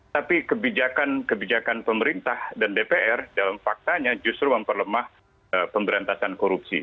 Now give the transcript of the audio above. tapi kebijakan kebijakan pemerintah dan dpr dalam faktanya justru memperlemah pemberantasan korupsi